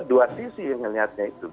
dua sisi melihatnya itu